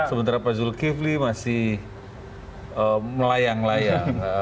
sementara pak zul kivli masih melayang layang